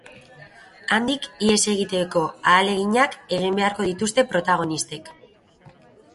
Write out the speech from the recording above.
Handik ihes egiteko ahaleginak egin beharko dituzte protagonistek.